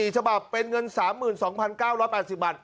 ๔ฉบับเป็นเงิน๓๒๙๘๐บาท